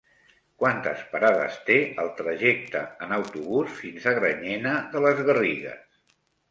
Quantes parades té el trajecte en autobús fins a Granyena de les Garrigues?